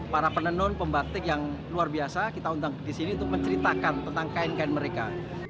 para penenun pembatik yang luar biasa kita undang di sini untuk menceritakan tentang kain kain mereka